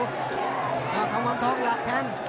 กังวันทองและแทง